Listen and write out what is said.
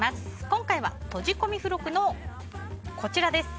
今回は、とじ込み付録のこちらです。